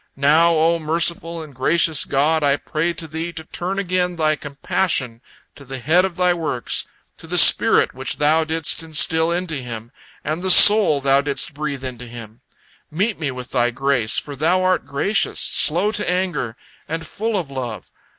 Now, O merciful and gracious God, I pray to Thee to turn again Thy compassion to the head of Thy works, to the spirit which Thou didst instil into him, and the soul Thou didst breathe into him. Meet me with Thy grace, for Thou art gracious, slow to anger, and full of love.